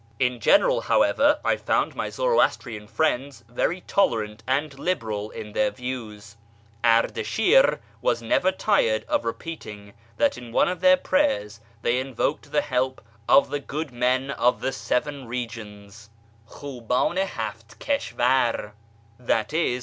In general, however, I found my Zoroastrian friends very tolerant and liberal in their views. Ardashir was never tired of repeating that in one of their prayers they invoked the help of " the good men of the seven regions " {khi'ibdn i haft kishvar), i.e.